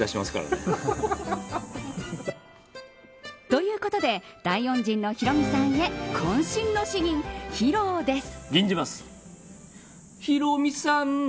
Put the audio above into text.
ということで大恩人のヒロミさんへ渾身の詩吟、披露です。